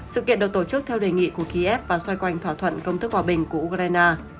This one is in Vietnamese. sự kiện được tổ chức theo đề nghị của kiev và xoay quanh thỏa thuận công thức hòa bình của ukraine